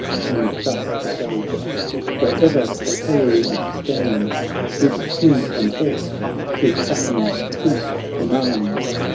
And thus the Sage :' Where'er the herald stands. Bid him come forth, 'tis Athens' Chief commands.